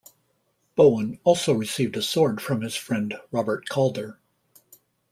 Bowen also received a sword from his friend Robert Calder.